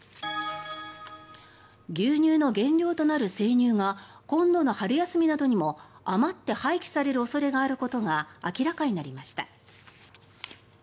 牛乳の原料となる生乳が今度の春休みなどにも余って廃棄される恐れがあることが明らかになりました。